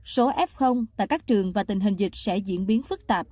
số f tại các trường và tình hình dịch sẽ diễn biến phức tạp